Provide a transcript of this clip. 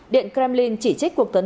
điện kremlin chỉ trích cuộc tấn công